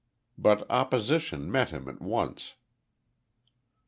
But opposition met him at once.